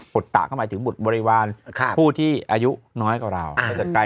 ุตตะก็หมายถึงบุตรบริวารผู้ที่อายุน้อยกว่าเรา